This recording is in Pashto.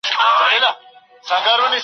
له کاږه تاکه راغلې ده مستي جام و شراب ته